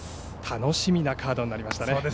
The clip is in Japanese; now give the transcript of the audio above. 楽しみなカードになりましたね。